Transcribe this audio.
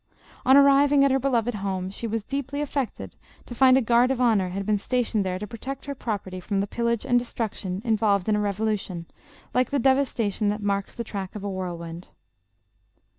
On arriving at her beloved home, she was deeply affected to find a guard of honor had been stationed there to protect her property from the pillage and destruction involved in a revolution, like the dev astation that marks the track of a whirlwind.